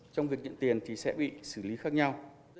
trong việc nhận tiền thì sẽ bị xử lý khác nhau